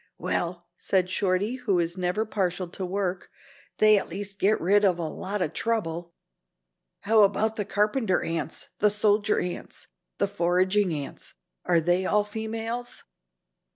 "Well," said Shorty, who was never partial to work, "they at least get rid of a lot of trouble. How about the carpenter ants, the soldier ants, the foraging ants? Are they all females?"